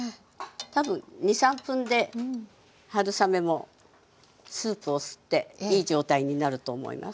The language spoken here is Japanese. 多分２３分で春雨もスープを吸っていい状態になると思います。